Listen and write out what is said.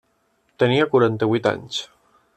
Tenia quaranta-vuit anys.